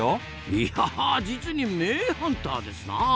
いや実に名ハンターですなあ！